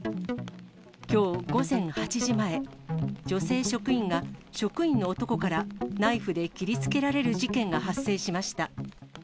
きょう午前８時前、女性職員が、職員の男からナイフで切りつけられる事件が発生しました。